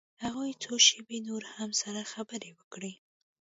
هغوى څو شېبې نورې هم سره خبرې وکړې.